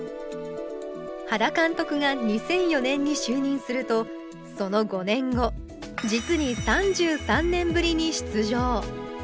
原監督が２００４年に就任するとその５年後実に３３年ぶりに出場。